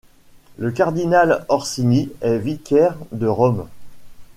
Le cardinal Orsini est vicaire de Rome.